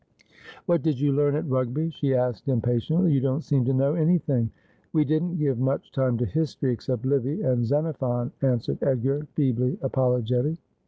'What did you learn at Rugby?' she asked impatiently. ' You don't seem to know anything.' ' We didn't give much time to history, except Livy and Xenophon,' answered Edgar, feebly apologetic.